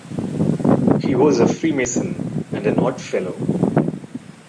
He was a Freemason and an Oddfellow.